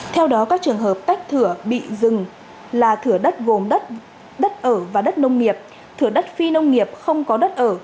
theo đó các trường hợp tách thửa bị dừng là thửa đất gồm đất ở và đất nông nghiệp thửa đất phi nông nghiệp không có đất ở